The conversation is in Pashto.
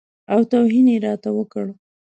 او توهین یې راته وکړ.